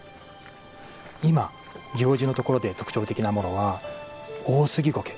今、祇王寺のところで特徴的なのがオオスギゴケ。